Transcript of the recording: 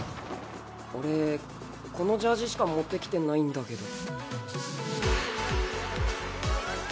俺このジャージしか持ってきてないんだけど。